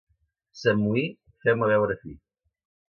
Sant Moí, feu-me veure fi.